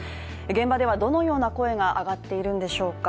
現場ではどのような声が上がっているんでしょうか。